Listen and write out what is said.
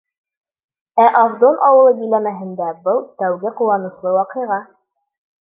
Ә Авдон ауылы биләмәһендә был — тәүге ҡыуаныслы ваҡиға.